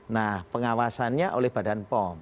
nah pengawasannya oleh badan pom